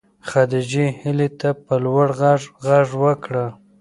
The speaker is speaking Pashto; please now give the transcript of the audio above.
خدیجې هیلې ته په لوړ غږ غږ وکړ.